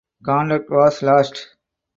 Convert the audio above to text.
Contact was lost.